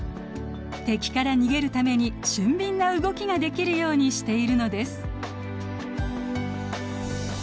敵から逃げるために俊敏な動きができるようにしているのです。